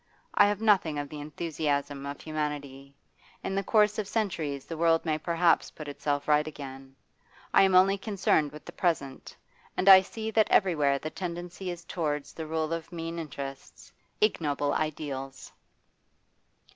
I have nothing of the enthusiasm of humanity. In the course of centuries the world may perhaps put itself right again; I am only concerned with the present, and I see that everywhere the tendency is towards the rule of mean interests, ignoble ideals.